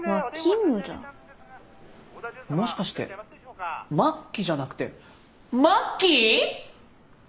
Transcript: もしかして「末期」じゃなくて「マッキー」！？